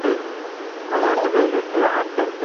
আমরা ওকে বের করতে পারব!